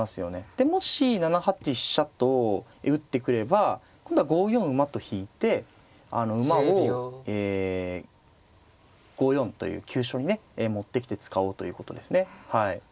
でもし７八飛車と打ってくれば今度は５四馬と引いて馬をえ５四という急所にね持ってきて使おうということですね。